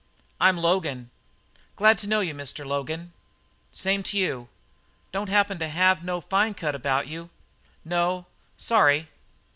"I'm Logan." "Glad to know you, Mr. Logan." "Same t'you. Don't happen to have no fine cut about you?" "No. Sorry."